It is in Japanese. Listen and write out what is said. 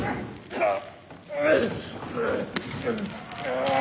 あっ。